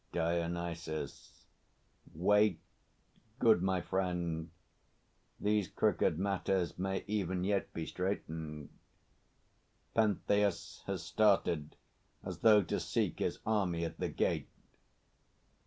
DIONYSUS. Wait, good my friend! These crooked matters may Even yet be straightened. [PENTHEUS _has started as though to seek his army at the gate.